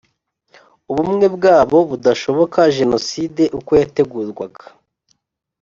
ubumwe bwabo budashoboka, jenoside uko yategurwaga